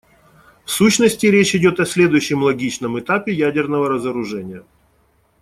В сущности, речь идет о следующем логичном этапе ядерного разоружения.